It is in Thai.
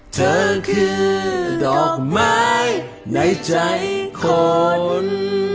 เธอคือดอกไม้ในใจคน